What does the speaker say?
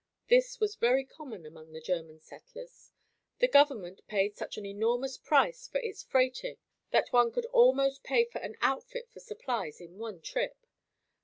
This was very common among the German settlers. The government paid such an enormous price for its freighting that one could almost pay for an outfit for supplies in one trip.